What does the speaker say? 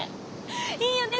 いいよね